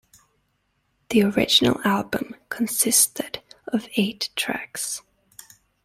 The original album consisted of eight tracks.